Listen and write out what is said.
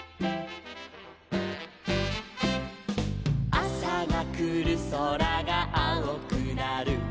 「あさがくるそらがあおくなる」